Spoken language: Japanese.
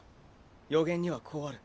予言にはこうある。